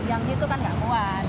jadi untuk menyangkutnya